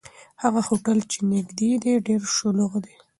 هغه هوټل چې نږدې دی، ډېر شلوغ دی.